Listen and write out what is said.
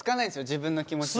自分の気持ちを。